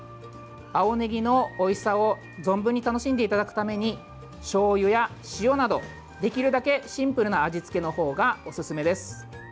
青ねぎのおいしさを存分に楽しんでいただくためにしょうゆや塩などできるだけシンプルな味付けの方がおすすめです。